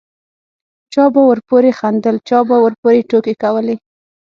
چا به ورپورې خندل چا به ورپورې ټوکې کولې.